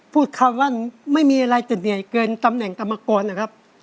พูดคำว่าไม่มีอะไรจะเหนื่อยเกินตำแหน่งกรรมกรนะครับ